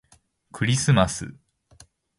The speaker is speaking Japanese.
クリスマス